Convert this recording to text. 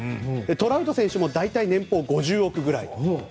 トラウト選手も大体、年俸５０億ぐらい。